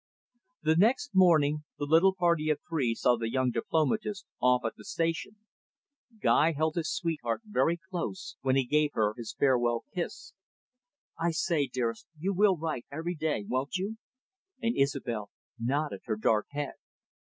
The next morning, the little party of three saw the young diplomatist off at the station. Guy held his sweetheart very close when he gave her his farewell kiss. "I say, dearest, you will write every day, won't you?" And Isobel nodded her dark head.